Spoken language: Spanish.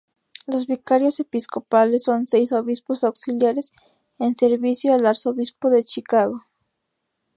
Los vicarios episcopales son seis obispos auxiliares en servicio al arzobispo de Chicago.